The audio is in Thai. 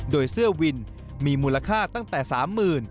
โดยเสื้อวินมีมูลค่าตั้งแต่๓๐๐๐บาท